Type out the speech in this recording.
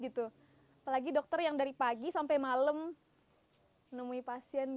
apalagi dokter yang dari pagi sampai malam nemui pasien